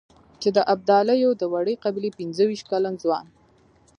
چې د ابدالیو د وړې قبيلې پنځه وېشت کلن ځوان.